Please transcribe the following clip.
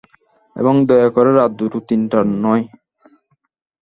এবং দয়া করে রাত দুটো-তিনটায় নয়।